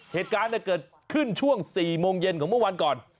เหตุการณ์เกิดขึ้นช่วง๔โมงเย็นของเมื่อวันก่อน